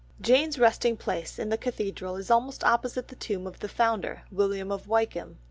Jane's resting place in the Cathedral is almost opposite the tomb of the founder, William of Wykeham.